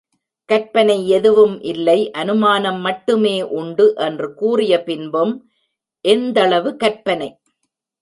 கற்பனை எதுவும் இல்லை, அநுமானம் மட்டுமே உண்டு என்று கூறிய பின்பும், எந்தளவு கற்பனை?